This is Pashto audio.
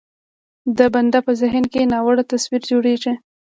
د بنده په ذهن کې ناوړه تصویر جوړېږي.